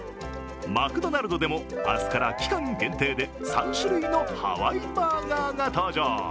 マクドナルドでも明日から期間限定で３種類のハワイバーガーが登場。